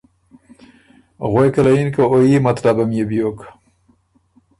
غوېکه له یِن که ”او يي مطلبه ميې بیوک“